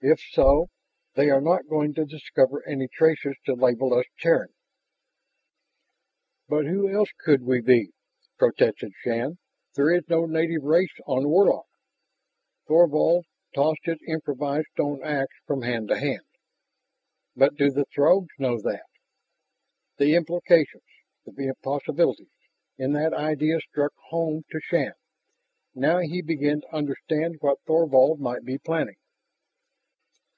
If so, they are not going to discover any traces to label us Terran " "But who else could we be?" protested Shann. "There is no native race on Warlock." Thorvald tossed his improvised stone ax from hand to hand. "But do the Throgs know that?" The implications, the possibilities, in that idea struck home to Shann. Now he began to understand what Thorvald might be planning.